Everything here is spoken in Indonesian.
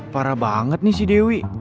parah banget nih si dewi